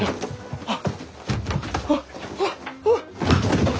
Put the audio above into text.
あっ！